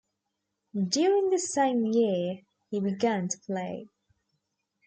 During the same year he began to play.